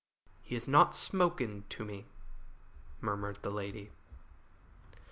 "He has not spoken to me," murmured the lady.